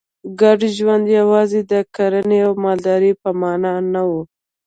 ګډ ژوند یوازې د کرنې او مالدارۍ په معنا نه و